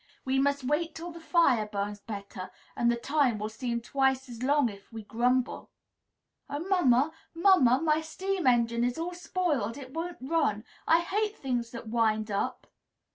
We must wait till the fire burns better; and the time will seem twice as long if we grumble." "Oh, mamma! mamma! My steam engine is all spoiled. It won't run. I hate things that wind up!"